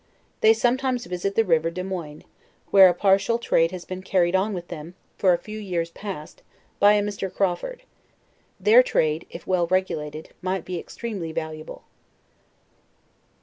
They sometimes visit the river Demoin, where a partial trade has been carried on with them, for a few years past, by a Mr. Crawford. Their trade, if well regulated might be extreme ly valuable.